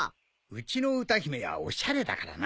うちの歌姫はおしゃれだからな。